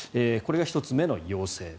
これが１つ目の要請。